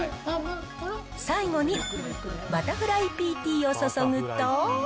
最後にバタフライピーティーを注ぐと。